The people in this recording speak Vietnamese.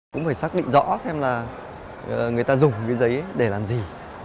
cũng phải xác định rõ xem là người ta dùng cái giấy để làm gì